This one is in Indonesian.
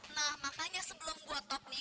nah makanya sebelum buat top nih